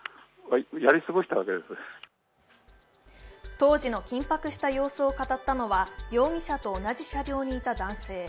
当時の緊迫した様子を語ったのは、容疑者と同じ車両にいた男性。